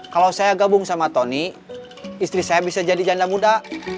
kalau saya gabung sama tony istri saya bisa jadi janda muda